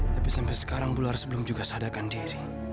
tapi sampai sekarang bularas belum juga sadarkan diri